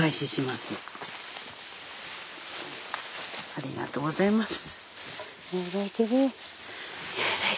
ありがとうございます。